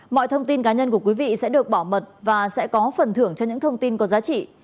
mọi thông tin cá nhân của quý vị sẽ được bảo mật và sẽ có phần thưởng cho những thông tin có giá trị